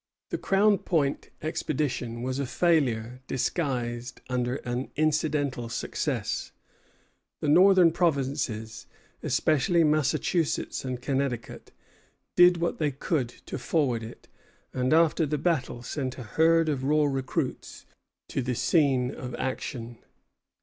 The Crown Point expedition was a failure disguised under an incidental success. The northern provinces, especially Massachusetts and Connecticut, did what they could to forward it, and after the battle sent a herd of raw recruits to the scene of action.